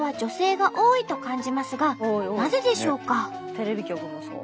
テレビ局もそう。